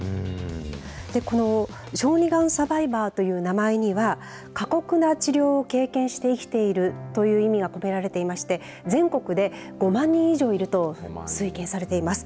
この小児がんサバイバーという名前には、過酷な治療を経験して生きているという意味が込められていまして、全国で５万人以上いると推計されています。